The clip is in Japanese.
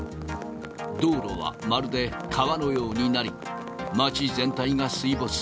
道路はまるで川のようになり、街全体が水没。